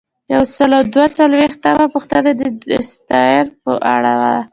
یو سل او دوه څلویښتمه پوښتنه د دساتیر په اړه ده.